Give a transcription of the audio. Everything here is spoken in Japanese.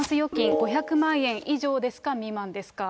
５００万円以上ですか、未満ですか。